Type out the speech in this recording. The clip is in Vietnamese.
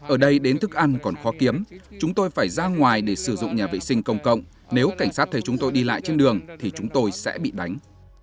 ở đây đến thức ăn còn khó kiếm chúng tôi phải ra ngoài để sử dụng nhà vệ sinh công cộng nếu cảnh sát thấy chúng tôi đi lại trên đường thì chúng tôi sẽ bị đánh